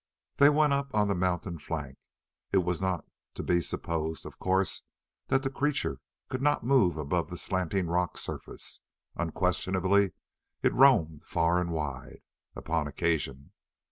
They went on up the mountain flank. It was not to be supposed, of course, that the creature could not move above the slanting rock surface. Unquestionably it roamed far and wide, upon occasion.